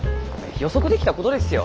予測できた事ですよ。